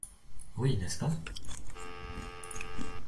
Oui, n'est-ce pas?